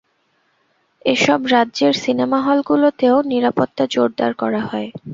এসব রাজ্যের সিনেমা হলগুলোতেও নিরাপত্তা জোরদার করা হয়।